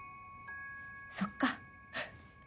そっか。